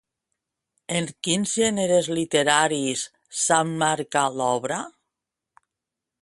En quins gèneres literaris s'emmarca l'obra?